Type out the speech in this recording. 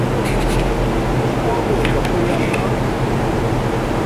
কী করবো শাশুড়ি আম্মা?